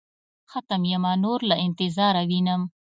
ختم يمه نور له انتظاره وينم.